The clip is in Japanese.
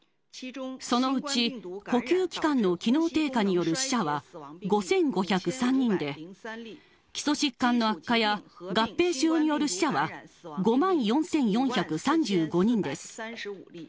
そのうち、呼吸器官の機能低下による死者は５５０３人で、基礎疾患の悪化や、合併症による死者は５万４４３５人です。